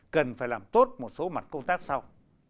cần phải làm tốt một số mặt công tác sau